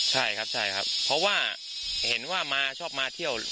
ใช่ครับใช่ครับเพราะว่าเห็นว่ามาชอบมาเที่ยว